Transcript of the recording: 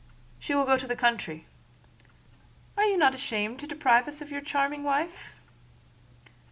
"She will go to the country." "Are you not ashamed to deprive us of your charming wife?"